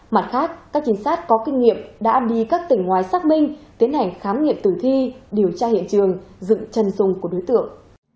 mặt khác các trinh sát có kinh nghiệm đã đi các tỉnh ngoài xác minh tiến hành khám nghiệm tử thi điều tra hiện trường dựng chân dung của đối tượng